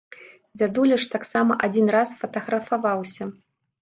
Дзядуля ж таксама адзін раз фатаграфаваўся!